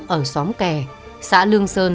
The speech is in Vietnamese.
ở xóm kè xã lương sơn